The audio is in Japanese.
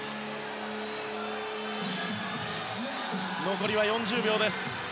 残りは４０秒です。